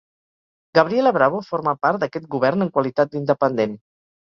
Gabriela Bravo forma part d'aquest govern en qualitat d'independent.